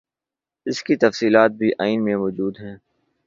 اس کی تفصیلات بھی آئین میں موجود ہیں۔